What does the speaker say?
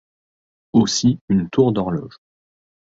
Aussi une tour d'horloge.